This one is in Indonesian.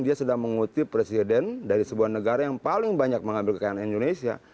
dia sedang mengutip presiden dari sebuah negara yang paling banyak mengambil kekayaan indonesia